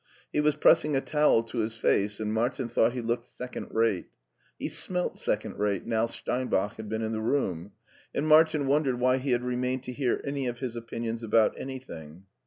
He was pressing a towel to his face, and Martin thought he looked second rate ; he smelt second rate now Stein bach had been in the room, and Martin wondered why he had remained to hear any of his opinions about any thing.